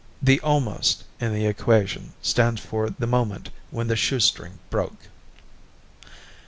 (The almost in the equation stands for the moment when the shoestring broke.)